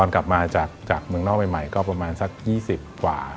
กลับมาจากเมืองนอกใหม่ก็ประมาณสัก๒๐กว่า